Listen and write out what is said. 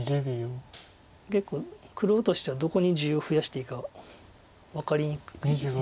結構黒としてはどこに地を増やしていいか分かりにくいです。